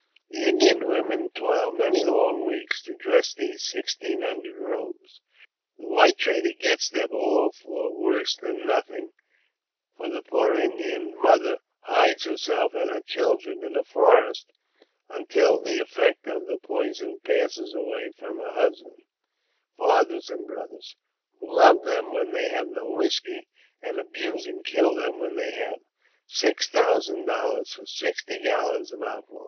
The Indian women toil many long weeks to dress these sixteen hundred robes. The white trader gets them all for worse than nothing, for the poor Indian mother hides herself and her children in the forests until the effect of the poison passes away from the husbands, fathers, and brothers, who love them when they have no whisky, and abuse and kill them when they have. Six thousand dollars for sixty gallons of alcohol !